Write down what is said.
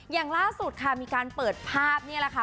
อย่างล่าสุดค่ะมีการเปิดภาพนี่แหละค่ะ